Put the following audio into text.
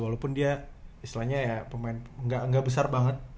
walaupun dia istilahnya ya pemain nggak besar banget